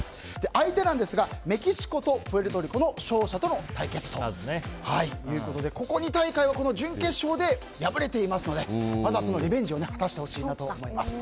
相手はメキシコとプエルトリコの勝者との対決ということでここ２大会は準決勝で敗れていますのでまずはそのリベンジを果たしてほしいなと思います。